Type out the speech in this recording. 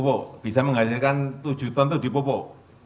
pupuk bisa menghasilkan tujuh ton itu dipupuk